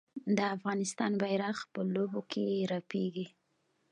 د افغانستان بیرغ په لوبو کې رپیږي.